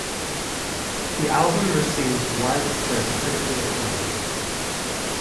The album received widespread critical acclaim.